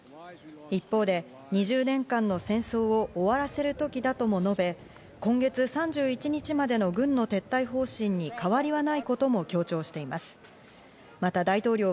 一方で２０年間の戦争を終わらせる時だとも述べ、今月３１日までの軍の撤退方針に変わりはないことも強調しています。